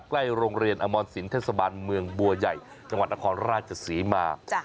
ใกล้โรงเรียนอมรสินเทศบาลเมืองบัวใหญ่จังหวัดนครราชศรีมา